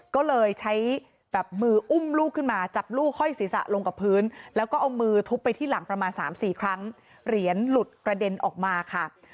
ก็เลยใช้แบบมืออุ้มลูกขึ้นมาจับลูกห้อยศีรษะลงกับพื้นแล้วก็เอามือทุบไปที่หลังประมาณ๓๔ครั้งเหรียญหลุดกระเด็นออกมาค่ะ